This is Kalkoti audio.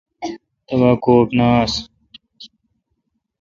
تبہ کوب نہ آس۔